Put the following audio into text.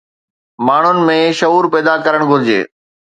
ماڻهن ۾ شعور پيدا ڪرڻ گهرجي